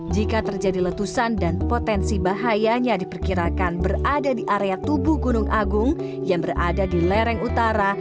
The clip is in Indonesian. jika terjadi letusan dan potensi bahayanya diperkirakan berada di area tubuh gunung agung yang berada di lereng utara